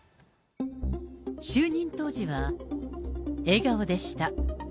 就任当時は笑顔でした。